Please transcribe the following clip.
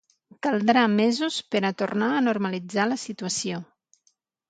Caldrà mesos per a tornar a normalitzar la situació.